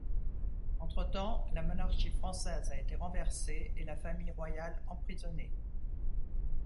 Entre-temps, la monarchie française a été renversée et la famille royale emprisonnée.